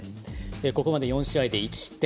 ここまで４試合で１失点。